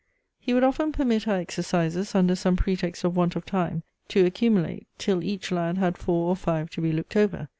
He would often permit our exercises, under some pretext of want of time, to accumulate, till each lad had four or five to be looked over.